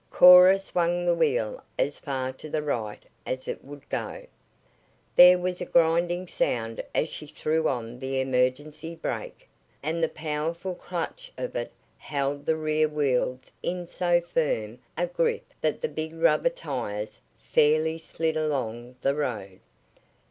Cora swung the wheel as far to the right as it would go. There was a grinding sound as she threw on the emergency brake, and the powerful clutch of it held the rear wheels in so firm a grip that the big rubber tires fairly slid along the road.